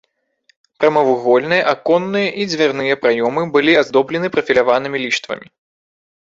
Прамавугольныя аконныя і дзвярныя праёмы былі аздоблены прафіляванымі ліштвамі.